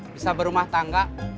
bisa berumah tangga